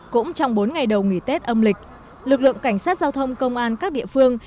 cũng trong bốn ngày đầu nghỉ tết âm lịch lực lượng cảnh sát giao thông công an các địa phương